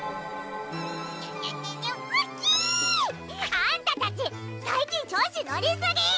あんたたち最近調子乗りすぎ！